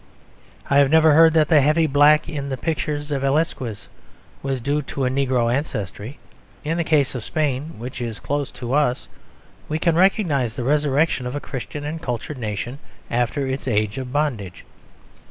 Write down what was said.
I have never heard that the heavy black in the pictures of Velasquez was due to a negro ancestry. In the case of Spain, which is close to us, we can recognise the resurrection of a Christian and cultured nation after its age of bondage.